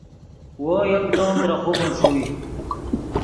وو یکدم ترے خوبن ݰوئے